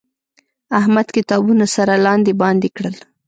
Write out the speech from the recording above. احمد کتابونه سره لاندې باندې کړل.